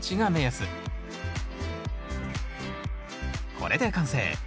これで完成。